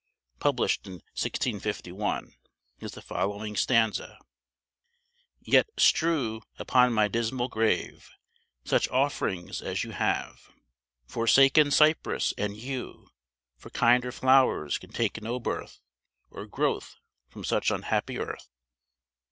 (published in 1651), is the following stanza: Yet strew Upon my dismall grave Such offerings as you have, Forsaken cypresse and yewe; For kinder flowers can take no birth Or growth from such unhappy earth.